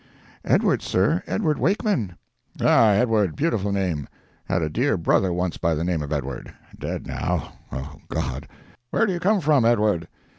"'Edward, sir—Edward Wakeman.' "'Ah—Edward. Beautiful name. Had a dear brother once by the name of Edward. Dead now. Oh, God. Where do you come from, Edward?'